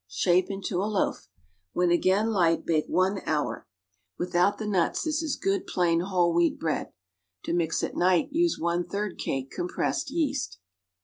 Shape into a loaf. When again light bake one hour. Without the nuts this is good, plain, whole wheat bread. To mix at night use one third cake compressed yeast.